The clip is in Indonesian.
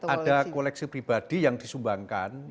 ada koleksi pribadi yang disumbangkan